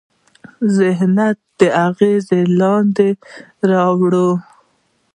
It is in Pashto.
ذهنیت اغېز لاندې راولي.